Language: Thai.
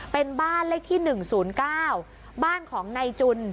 เป็นบ้านเลขที่๑๐๙บ้านของนายจุน